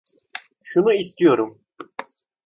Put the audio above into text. Şunu istiyorum.